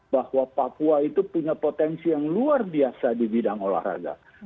bahwa papua itu punya potensi yang luar biasa di bidang olahraga